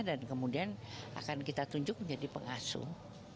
dan kemudian akan kita tunjuk menjadi pengasuh